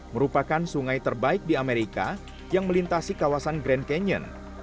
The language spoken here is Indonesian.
merupakan sungai terbaik di amerika yang melintasi kawasan grand canyon